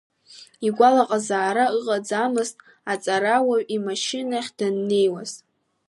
Игәалаҟазаара ыҟаӡамызт аҵарауаҩ, имашьынахь даннеиуаз.